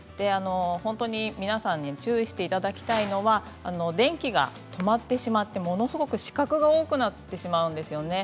本当に皆さんに注意していただきたいのは電気が止まってしまってものすごく死角が多くなってしまうんですよね。